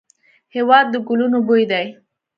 هېواد د ګلونو بوی دی.